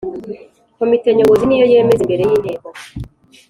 Komite Nyobozi niyo yemeza imbere y Inteko